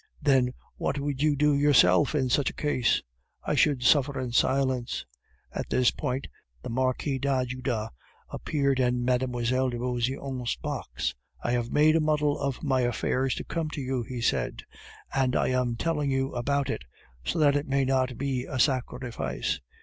"Then, what would you do yourself in such a case?" "I should suffer in silence." At this point the Marquis d'Ajuda appeared in Mme. de Beauseant's box. "I have made a muddle of my affairs to come to you," he said, "and I am telling you about it, so that it may not be a sacrifice."